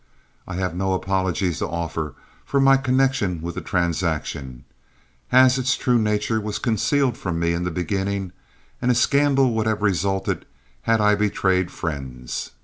I have no apologies to offer for my connection with the transaction, as its true nature was concealed from me in the beginning, and a scandal would have resulted had I betrayed friends.